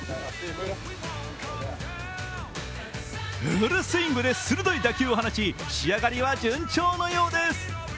フルスイングで鋭い打球を放ち仕上がりは順調のようです。